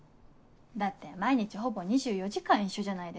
だって毎日ほぼ２４時間一緒じゃないですか。